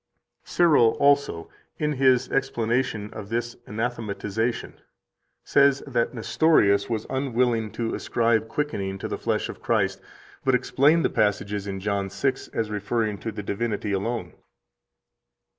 93 Cyril also (ibid., p. 140; t. 4, p. 85), in his explanation of this anathematization, says that Nestorius was unwilling to ascribe quickening to the flesh of Christ, but explained the passages in John 6 as referring to the divinity alone."